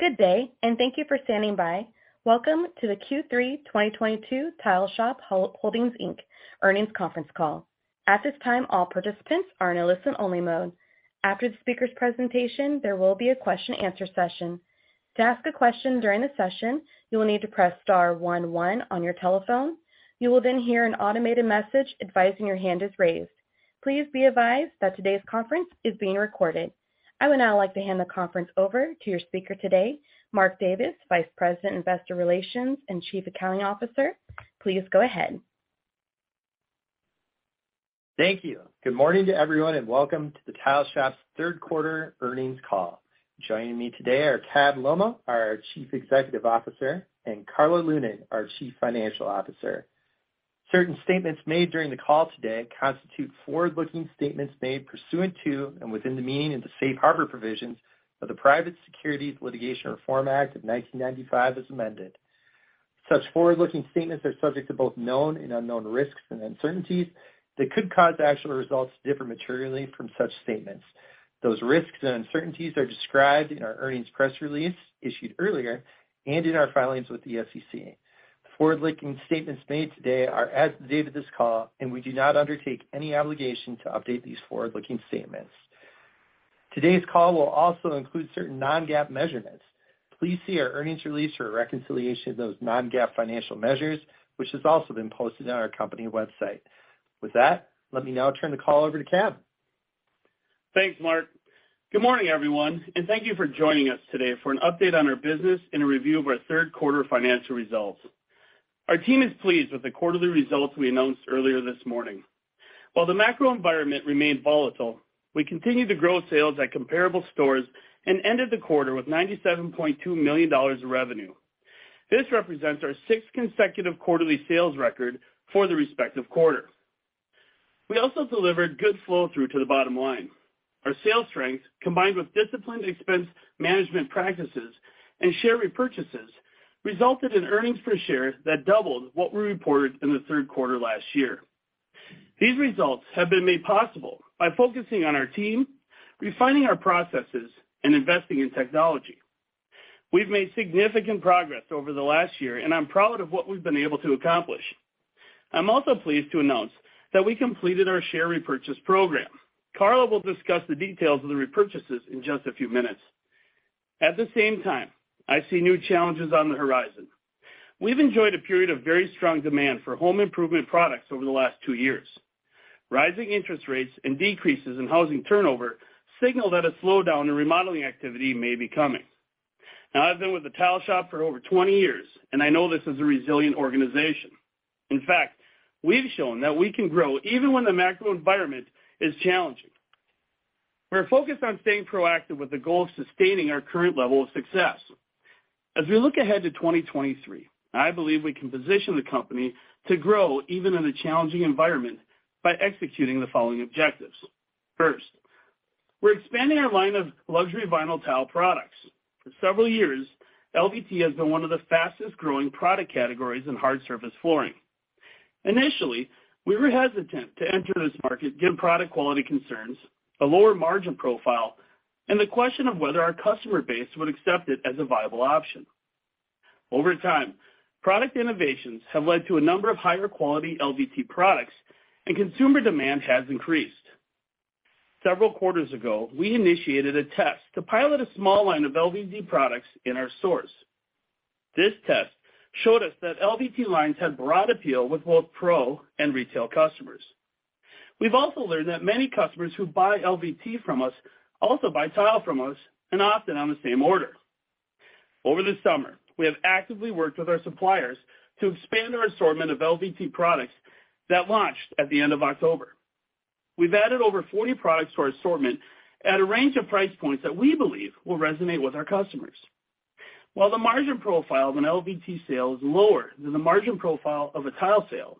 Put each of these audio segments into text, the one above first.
Good day, and thank you for standing by. Welcome to the Q3 2022 Tile Shop Holdings, Inc. earnings conference call. At this time, all participants are in a listen-only mode. After the speaker's presentation, there will be a question answer session. To ask a question during the session, you will need to press star one one on your telephone. You will then hear an automated message advising your hand is raised. Please be advised that today's conference is being recorded. I would now like to hand the conference over to your speaker today, Mark Davis, Vice President, Investor Relations and Chief Accounting Officer. Please go ahead. Thank you. Good morning to everyone, and welcome to the Tile Shop's third quarter earnings call. Joining me today are Cabell Lolmaugh, our Chief Executive Officer, and Karla Lunan, our Chief Financial Officer. Certain statements made during the call today constitute forward-looking statements made pursuant to and within the meaning of the Safe Harbor provisions of the Private Securities Litigation Reform Act of 1995 as amended. Such forward-looking statements are subject to both known and unknown risks and uncertainties that could cause actual results to differ materially from such statements. Those risks and uncertainties are described in our earnings press release issued earlier and in our filings with the SEC. The forward-looking statements made today are as of the date of this call, and we do not undertake any obligation to update these forward-looking statements. Today's call will also include certain non-GAAP measurements. Please see our earnings release for a reconciliation of those non-GAAP financial measures, which has also been posted on our company website. With that, let me now turn the call over to Cabby. Thanks, Mark. Good morning, everyone, and thank you for joining us today for an update on our business and a review of our third quarter financial results. Our team is pleased with the quarterly results we announced earlier this morning. While the macro environment remained volatile, we continued to grow sales at comparable stores and ended the quarter with $97.2 million of revenue. This represents our sixth consecutive quarterly sales record for the respective quarter. We also delivered good flow-through to the bottom line. Our sales strength, combined with disciplined expense management practices and share repurchases, resulted in earnings per share that doubled what we reported in the third quarter last year. These results have been made possible by focusing on our team, refining our processes, and investing in technology. We've made significant progress over the last year, and I'm proud of what we've been able to accomplish. I'm also pleased to announce that we completed our share repurchase program. Karla will discuss the details of the repurchases in just a few minutes. At the same time, I see new challenges on the horizon. We've enjoyed a period of very strong demand for home improvement products over the last two years. Rising interest rates and decreases in housing turnover signal that a slowdown in remodeling activity may be coming. Now, I've been with the Tile Shop for over 20 years, and I know this is a resilient organization. In fact, we've shown that we can grow even when the macro environment is challenging. We're focused on staying proactive with the goal of sustaining our current level of success. As we look ahead to 2023, I believe we can position the company to grow even in a challenging environment by executing the following objectives. First, we're expanding our line of luxury vinyl tile products. For several years, LVT has been one of the fastest-growing product categories in hard surface flooring. Initially, we were hesitant to enter this market given product quality concerns, a lower margin profile, and the question of whether our customer base would accept it as a viable option. Over time, product innovations have led to a number of higher quality LVT products and consumer demand has increased. Several quarters ago, we initiated a test to pilot a small line of LVT products in our stores. This test showed us that LVT lines had broad appeal with both pro and retail customers. We've also learned that many customers who buy LVT from us also buy tile from us, and often on the same order. Over the summer, we have actively worked with our suppliers to expand our assortment of LVT products that launched at the end of October. We've added over 40 products to our assortment at a range of price points that we believe will resonate with our customers. While the margin profile of an LVT sale is lower than the margin profile of a tile sale,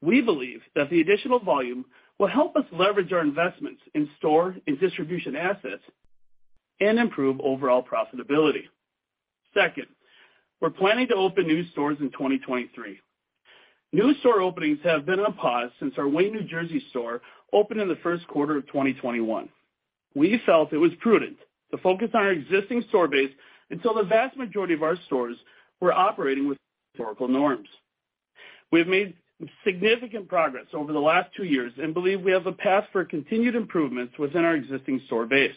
we believe that the additional volume will help us leverage our investments in store and distribution assets and improve overall profitability. Second, we're planning to open new stores in 2023. New store openings have been on pause since our Wayne, New Jersey store opened in the first quarter of 2021. We felt it was prudent to focus on our existing store base until the vast majority of our stores were operating with historical norms. We have made significant progress over the last two years and believe we have a path for continued improvements within our existing store base.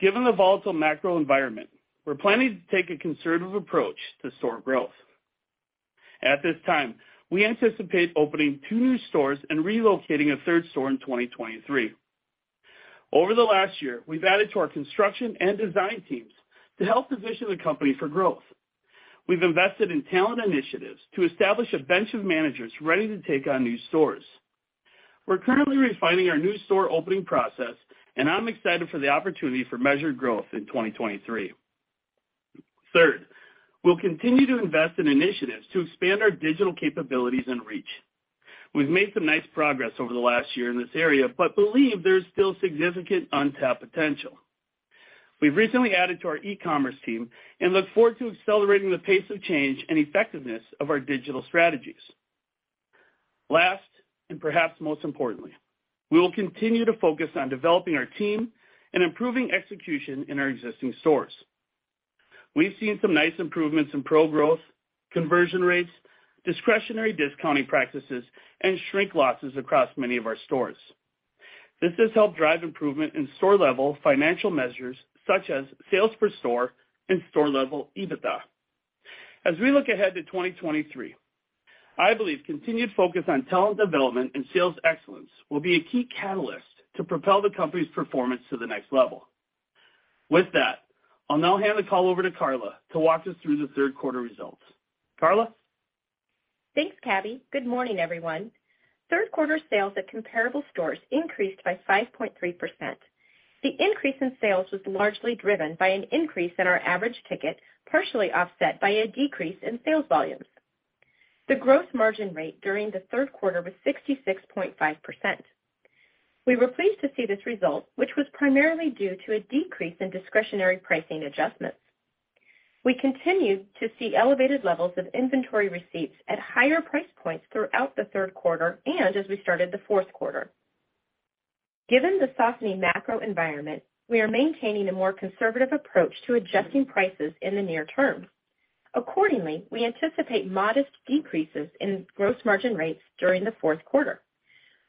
Given the volatile macro environment, we're planning to take a conservative approach to store growth. At this time, we anticipate opening two new stores and relocating a third store in 2023. Over the last year, we've added to our construction and design teams to help position the company for growth. We've invested in talent initiatives to establish a bench of managers ready to take on new stores. We're currently refining our new store opening process, and I'm excited for the opportunity for measured growth in 2023. Third, we'll continue to invest in initiatives to expand our digital capabilities and reach. We've made some nice progress over the last year in this area, but believe there is still significant untapped potential. We've recently added to our e-commerce team and look forward to accelerating the pace of change and effectiveness of our digital strategies. Last, and perhaps most importantly, we will continue to focus on developing our team and improving execution in our existing stores. We've seen some nice improvements in pro growth, conversion rates, discretionary discounting practices, and shrink losses across many of our stores. This has helped drive improvement in store-level financial measures such as sales per store and store-level EBITDA. As we look ahead to 2023, I believe continued focus on talent development and sales excellence will be a key catalyst to propel the company's performance to the next level. With that, I'll now hand the call over to Karla to walk us through the third quarter results. Karla? Thanks, Cabby. Good morning, everyone. Third quarter sales at comparable stores increased by 5.3%. The increase in sales was largely driven by an increase in our average ticket, partially offset by a decrease in sales volumes. The gross margin rate during the third quarter was 66.5%. We were pleased to see this result, which was primarily due to a decrease in discretionary pricing adjustments. We continued to see elevated levels of inventory receipts at higher price points throughout the third quarter and as we started the fourth quarter. Given the softening macro environment, we are maintaining a more conservative approach to adjusting prices in the near term. Accordingly, we anticipate modest decreases in gross margin rates during the fourth quarter.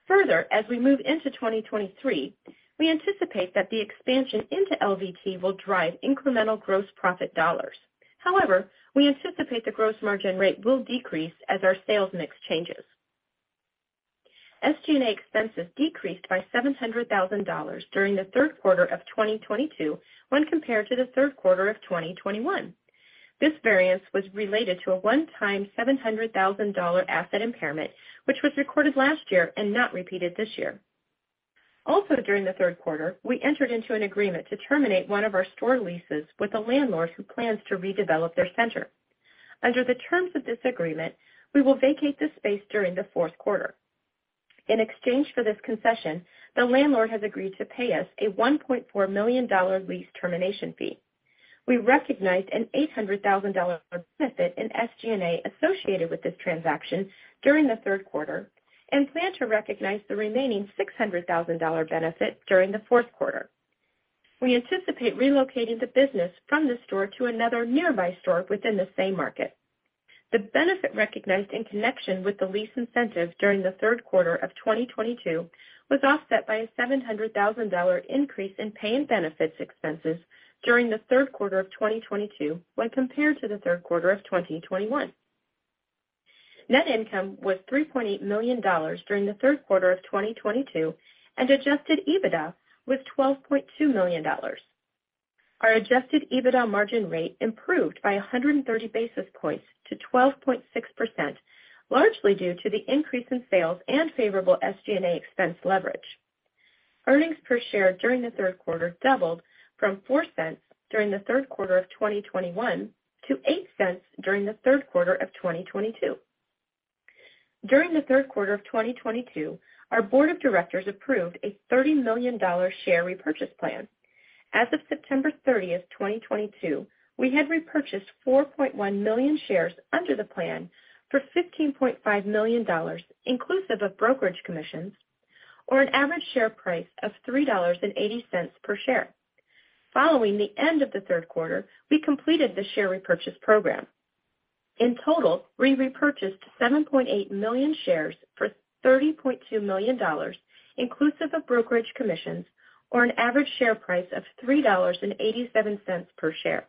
Further, as we move into 2023, we anticipate that the expansion into LVT will drive incremental gross profit dollars. However, we anticipate the gross margin rate will decrease as our sales mix changes. SG&A expenses decreased by $700,000 during the third quarter of 2022 when compared to the third quarter of 2021. This variance was related to a one-time $700,000 asset impairment, which was recorded last year and not repeated this year. Also during the third quarter, we entered into an agreement to terminate one of our store leases with a landlord who plans to redevelop their center. Under the terms of this agreement, we will vacate the space during the fourth quarter. In exchange for this concession, the landlord has agreed to pay us a $1.4 million lease termination fee. We recognized an $800,000 benefit in SG&A associated with this transaction during the third quarter and plan to recognize the remaining $600,000 benefit during the fourth quarter. We anticipate relocating the business from the store to another nearby store within the same market. The benefit recognized in connection with the lease incentive during the third quarter of 2022 was offset by a $700,000 increase in pay and benefits expenses during the third quarter of 2022 when compared to the third quarter of 2021. Net income was $3.8 million during the third quarter of 2022, and adjusted EBITDA was $12.2 million. Our adjusted EBITDA margin rate improved by 130 basis points to 12.6%, largely due to the increase in sales and favorable SG&A expense leverage. Earnings per share during the third quarter doubled from $0.04 during the third quarter of 2021 to $0.08 during the third quarter of 2022. During the third quarter of 2022, our board of directors approved a $30 million share repurchase plan. As of September 30, 2022, we had repurchased 4.1 million shares under the plan for $15.5 million, inclusive of brokerage commissions, or an average share price of $3.80 per share. Following the end of the third quarter, we completed the share repurchase program. In total, we repurchased 7.8 million shares for $30.2 million, inclusive of brokerage commissions, or an average share price of $3.87 per share.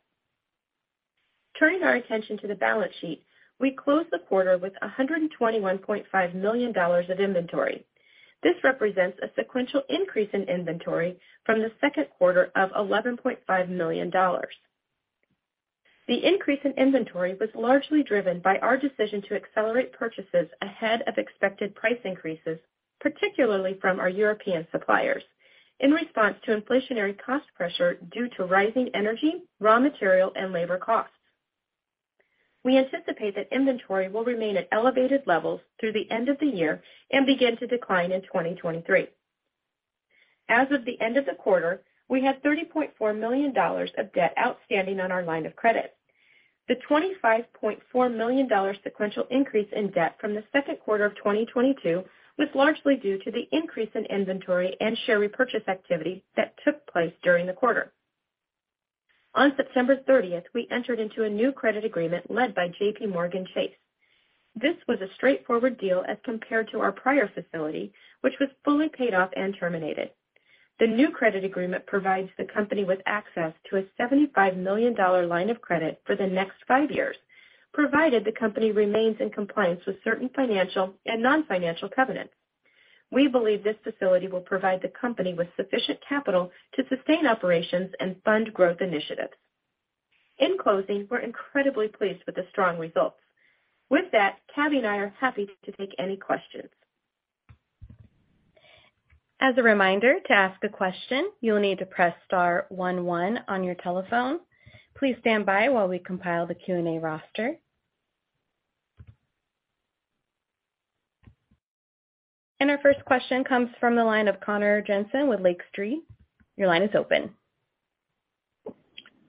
Turning our attention to the balance sheet, we closed the quarter with $121.5 million of inventory. This represents a sequential increase in inventory from the second quarter of $11.5 million. The increase in inventory was largely driven by our decision to accelerate purchases ahead of expected price increases, particularly from our European suppliers, in response to inflationary cost pressure due to rising energy, raw material, and labor costs. We anticipate that inventory will remain at elevated levels through the end of the year and begin to decline in 2023. As of the end of the quarter, we had $30.4 million of debt outstanding on our line of credit. The $25.4 million sequential increase in debt from the second quarter of 2022 was largely due to the increase in inventory and share repurchase activity that took place during the quarter. On September 30, we entered into a new credit agreement led by JPMorgan Chase. This was a straightforward deal as compared to our prior facility, which was fully paid off and terminated. The new credit agreement provides the company with access to a $75 million line of credit for the next five years, provided the company remains in compliance with certain financial and non-financial covenants. We believe this facility will provide the company with sufficient capital to sustain operations and fund growth initiatives. In closing, we're incredibly pleased with the strong results. With that, Cabby and I are happy to take any questions. As a reminder, to ask a question, you will need to press star one one on your telephone. Please stand by while we compile the Q&A roster. Our first question comes from the line of Connor Jensen with Lake Street. Your line is open.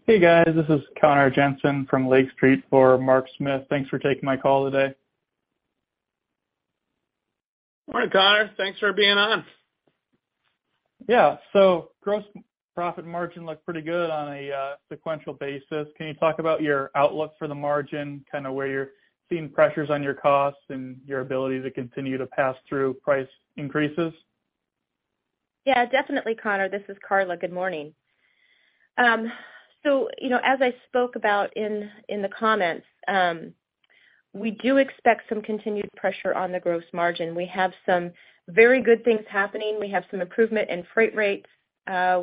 Hey, guys, this is Connor Jensen from Lake Street for Mark Smith. Thanks for taking my call today. Morning, Connor. Thanks for being on. Yeah. Gross profit margin looked pretty good on a sequential basis. Can you talk about your outlook for the margin, kind of where you're seeing pressures on your costs and your ability to continue to pass through price increases? Yeah, definitely, Connor. This is Karla. Good morning. So, you know, as I spoke about in the comments, we do expect some continued pressure on the gross margin. We have some very good things happening. We have some improvement in freight rates.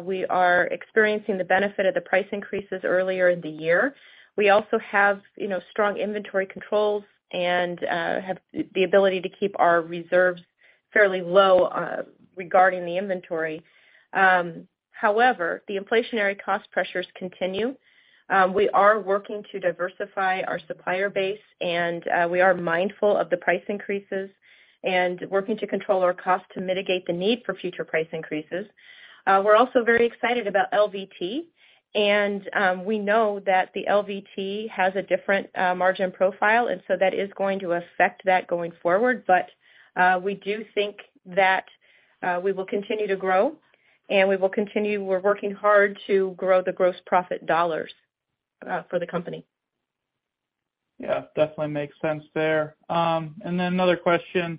We are experiencing the benefit of the price increases earlier in the year. We also have, you know, strong inventory controls and have the ability to keep our reserves fairly low, regarding the inventory. However, the inflationary cost pressures continue. We are working to diversify our supplier base, and we are mindful of the price increases and working to control our costs to mitigate the need for future price increases. We're also very excited about LVT. We know that the LVT has a different margin profile, and so that is going to affect that going forward. We do think that we will continue to grow, and we will continue. We're working hard to grow the gross profit dollars for the company. Yeah, definitely makes sense there. Another question,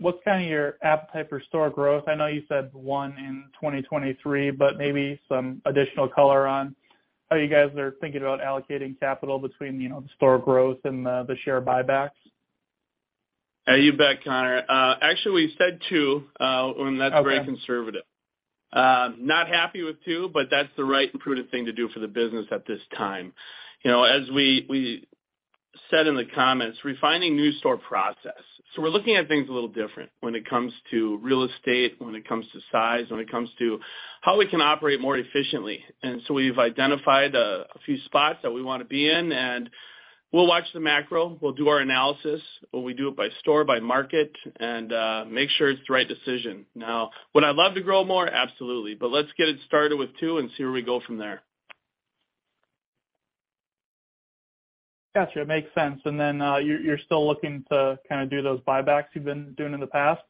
what's kind of your appetite for store growth? I know you said 1 in 2023, but maybe some additional color on how you guys are thinking about allocating capital between, you know, the store growth and the share buybacks. Yeah, you bet, Connor. Actually, we said two. Okay. That's very conservative. Not happy with two, but that's the right and prudent thing to do for the business at this time. You know, as we said in the comments, refining new store process. We're looking at things a little different when it comes to real estate, when it comes to size, when it comes to how we can operate more efficiently. We've identified a few spots that we wanna be in, and we'll watch the macro. We'll do our analysis, but we do it by store, by market, and make sure it's the right decision. Now, would I love to grow more? Absolutely. Let's get it started with two and see where we go from there. Gotcha, makes sense. You're still looking to kinda do those buybacks you've been doing in the past?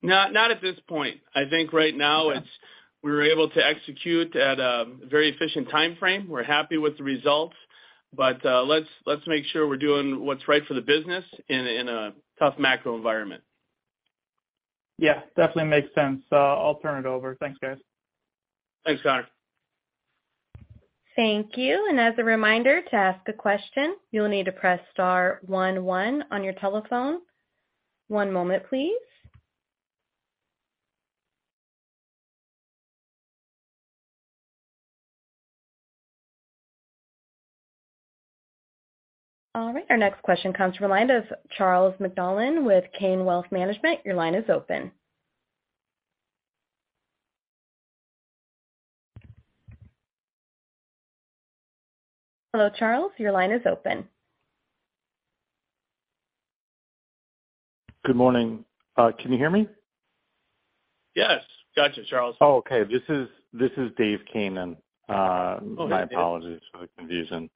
Not at this point. I think right now we were able to execute at a very efficient timeframe. We're happy with the results, but let's make sure we're doing what's right for the business in a tough macro environment. Yeah, definitely makes sense. I'll turn it over. Thanks, guys. Thanks, Connor. Thank you. As a reminder, to ask a question, you'll need to press star one one on your telephone. One moment, please. All right, our next question comes from the line of Charles McDonnell with Cannon Wealth Management. Your line is open. Hello, Charles, your line is open. Good morning. Can you hear me? Yes. Got you, Charles. Oh, okay. This is Dave Cannon. Okay, Dave. My apologies for the confusion.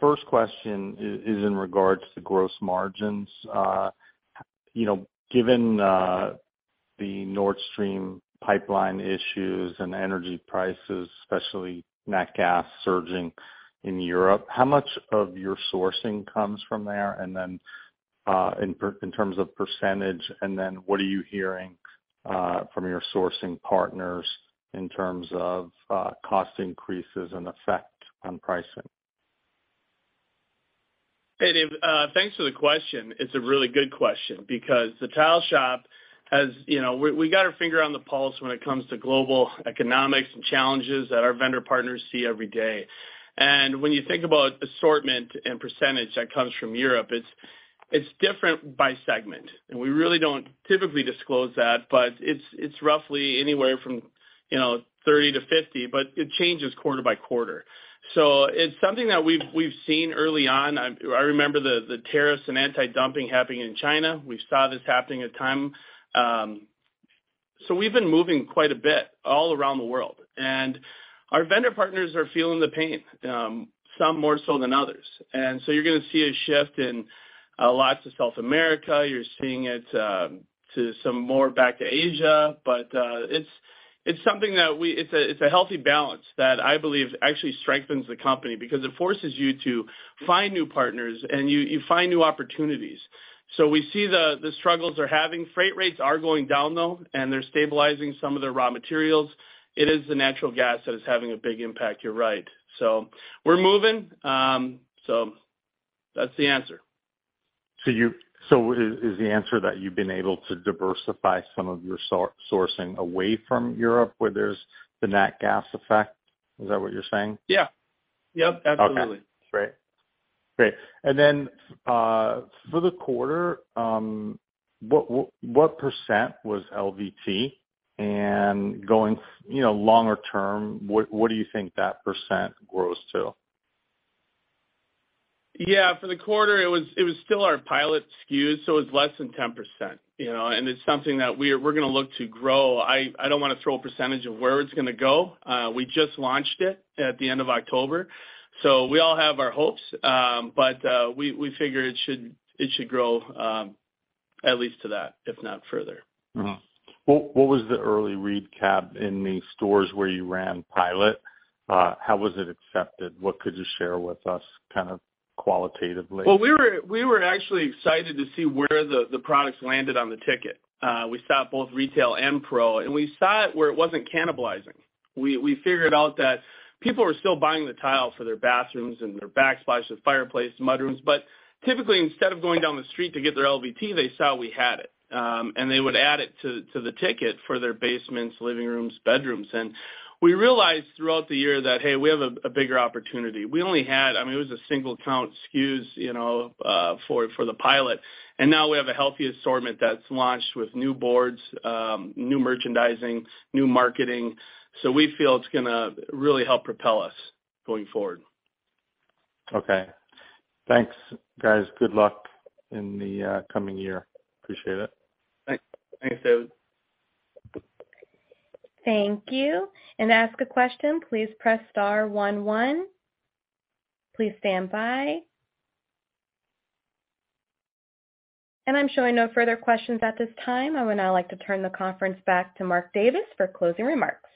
First question is in regards to gross margins. You know, given the Nord Stream pipeline issues and energy prices, especially nat gas surging in Europe, how much of your sourcing comes from there? In terms of percentage, what are you hearing from your sourcing partners in terms of cost increases and effect on pricing? Hey, Dave, thanks for the question. It's a really good question because the Tile Shop has, you know, we got our finger on the pulse when it comes to global economics and challenges that our vendor partners see every day. When you think about assortment and percentage that comes from Europe, it's different by segment. We really don't typically disclose that, but it's roughly anywhere from, you know, 30%-50%, but it changes quarter by quarter. It's something that we've seen early on. I remember the tariffs and anti-dumping happening in China. We saw this happening at the time. We've been moving quite a bit all around the world. Our vendor partners are feeling the pain, some more so than others. You're gonna see a shift in lots from South America. You're seeing it too. Some more back to Asia. It's a healthy balance that I believe actually strengthens the company because it forces you to find new partners and you find new opportunities. We see the struggles they're having. Freight rates are going down, though, and they're stabilizing some of their raw materials. It is the natural gas that is having a big impact. You're right. We're moving. That's the answer. Is the answer that you've been able to diversify some of your sourcing away from Europe, where there's the Nat Gas Effect? Is that what you're saying? Yeah. Yep, absolutely. Okay. Great. Great. For the quarter, what % was LVT? Going you know, longer term, what do you think that % grows to? Yeah, for the quarter it was still our pilot SKU, so it's less than 10%, you know, and it's something that we're gonna look to grow. I don't wanna throw a percentage of where it's gonna go. We just launched it at the end of October. We all have our hopes, but we figure it should grow at least to that, if not further. What was the early read, Cabby, in the stores where you ran pilot? How was it accepted? What could you share with us kind of qualitatively? Well, we were actually excited to see where the products landed on the ticket. We saw it both retail and pro, and we saw it where it wasn't cannibalizing. We figured out that people were still buying the tile for their bathrooms and their backsplashes, fireplace, mudrooms. Typically, instead of going down the street to get their LVT, they saw we had it. They would add it to the ticket for their basements, living rooms, bedrooms. We realized throughout the year that hey, we have a bigger opportunity. I mean, it was a single count SKUs, you know, for the pilot. Now we have a healthy assortment that's launched with new boards, new merchandising, new marketing. We feel it's gonna really help propel us going forward. Okay. Thanks, guys. Good luck in the coming year. Appreciate it. Thanks. Thanks, Dave. Thank you. To ask a question, please press star one. Please stand by. I'm showing no further questions at this time. I would now like to turn the conference back to Mark Davis for closing remarks.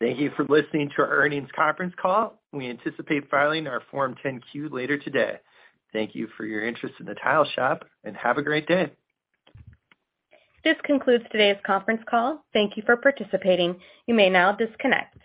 Thank you for listening to our earnings conference call. We anticipate filing our Form 10-Q later today. Thank you for your interest in The Tile Shop, and have a great day. This concludes today's conference call. Thank you for participating. You may now disconnect.